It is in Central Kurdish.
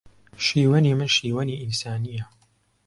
شیوەنی من شیوەنی ئینسانییە